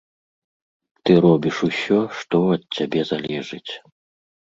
Ты робіш усё, што ад цябе залежыць.